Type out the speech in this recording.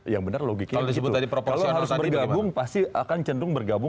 yang benar logiknya gitu